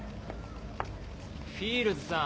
フィールズさん